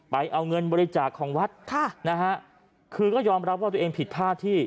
ไปเอาเงินบริจาคของวัดค่ะนะฮะคือก็ยอมรับว่าตัวเองผิดพลาดที่